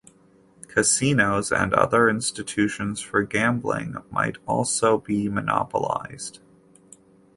Casinos and other institutions for gambling might also be monopolized.